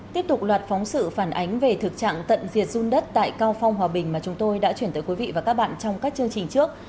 tiếp tục loạt phóng sự phản ánh về thực trạng tận diệt dung đất tại cao phong hòa bình mà chúng tôi đã chuyển tới quý vị và các bạn trong các chương trình trước